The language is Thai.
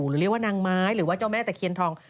หรือเรียกว่านางไม้หรือว่าเจ้าแม่ตะเคียนทอง